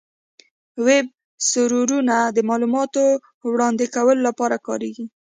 ویب سرورونه د معلوماتو وړاندې کولو لپاره کارېږي.